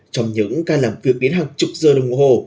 trong những ca làm việc đến hàng chục giờ đồng hồ